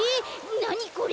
なにこれ。